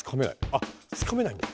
あっつかめないの。